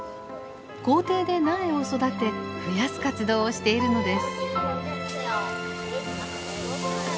校庭で苗を育て増やす活動をしているのです。